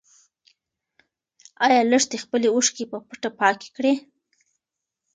ايا لښتې خپلې اوښکې په پټه پاکې کړې؟